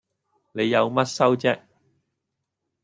你有乜收啫